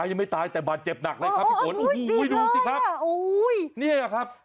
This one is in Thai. ยังไม่ตายแต่บาดเจ็บหนักเลยครับพี่ฝนโอ้โหดูสิครับโอ้ยนี่แหละครับ